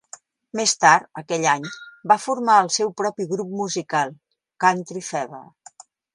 Més tard aquell any, va formar el seu propi grup musical, Country Fever.